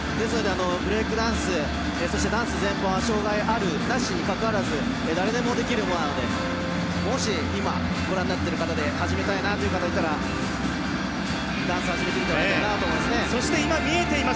ブレイクダンス、ダンス全般障がいあるないにかかわらず誰でもできるので、もし今ご覧になっている方で始めたいなという方がいたらダンス、始めたらいいかなと思います。